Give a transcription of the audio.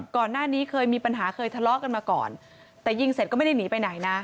ก่อนหน้านี้เคยมีปัญหาเคยทะเลาะกันมาก่อนแต่ยิงเสร็จก็ไม่ได้หนีไปไหนนะ